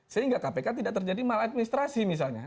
sehingga kpk tidak terjadi maladministrasi misalnya